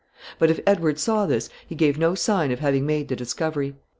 But if Edward saw this, he gave no sign of having made the discovery.